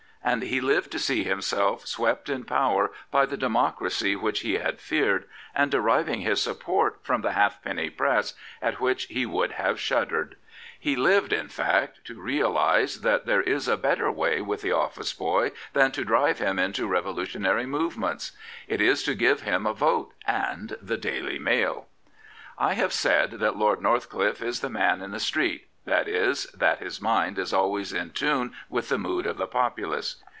And he lived to see himself kept in power by the democracy which he had feared, and deriving his support from the half penny press, at which he would have shuddered. He lived, in fact, to realise that there is a better way with the office boy than to drive him into revolutionary movements. It is to give him a vote and the Daily Mail I have said that Lord Northcliffe is the man in the street, that is, that his mind is always in tune with the mood of the populace.